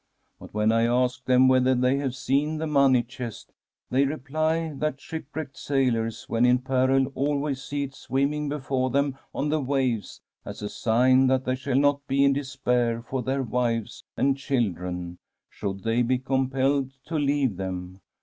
But when I ask them whether they have seen the money chest, they reply that shipwrecked sailors when in peril always see it swimmiflg before them on the waves as a sign that they shall not be in despair for their wives and children, should they be compelled to leave them.